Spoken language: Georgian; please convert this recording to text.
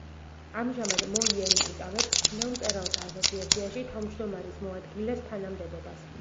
ამჟამად მო იენი იკავებს ჩინელ მწერალთა ასოციაციაში თავჯდომარის მოადგილეს თანამდებობას.